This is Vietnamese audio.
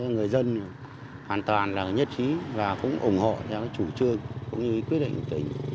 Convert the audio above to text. người dân hoàn toàn là nhất trí và cũng ủng hộ theo cái chủ trương cũng như quyết định tình